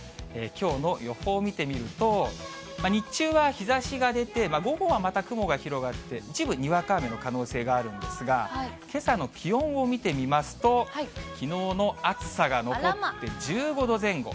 きょうの予報見てみると、日中は日ざしが出て、午後はまた雲が広がって、一部、にわか雨の可能性があるんですが、けさの気温を見てみますと、きのうの暑さが残って１５度前後。